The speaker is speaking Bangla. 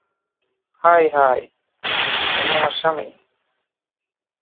হাই - হাই উনি আমার স্বামী।